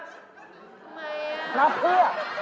ทำไมอ่ะนับเพื่อ